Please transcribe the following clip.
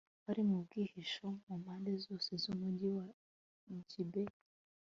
bari mu bwihisho mu mpande zose z'umugi wa gibeya